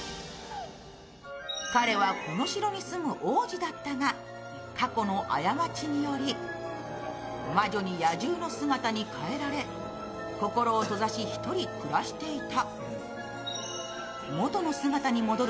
彼はこの城に住む王子だったが、過去の過ちにより魔女に野獣の姿に変えられ心を閉ざし一人暮らしていた。